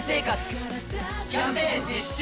キャンペーン実施中！